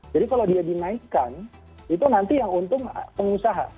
jadi kalau dia dinaikkan itu nanti yang untung pengusaha